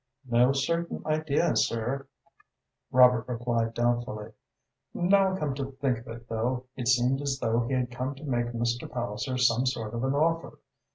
"No certain idea, sir," Robert replied doubtfully. "Now I come to think of it, though, it seemed as though he had come to make Mr. Palliser some sort of an offer.